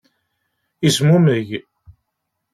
Yezmumeg.